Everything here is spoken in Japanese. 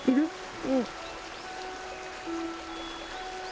うん。